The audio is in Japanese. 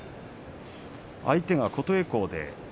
相手は琴恵光です。